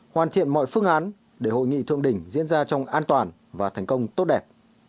hoàn thiện mọi phương án để hội nghị thượng đỉnh diễn ra trong an toàn và thành công tốt đẹp